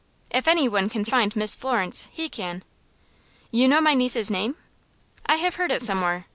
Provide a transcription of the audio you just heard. If any one can find Miss Florence, he can." "You know my niece's name?" "I have heard it somewhere.